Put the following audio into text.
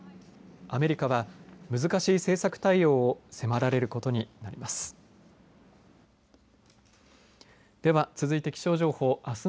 アメリカは、難しい政策対応を迫られることになります。